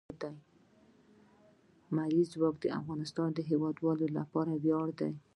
لمریز ځواک د افغانستان د هیوادوالو لپاره ویاړ دی.